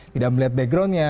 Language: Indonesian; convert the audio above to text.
tidak melihat backgroundnya